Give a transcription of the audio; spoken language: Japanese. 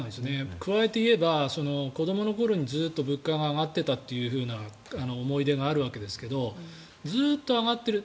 加えて言えば子どもの頃にずっと物価が上がっていたという思い出があるわけですがずっと上がっている。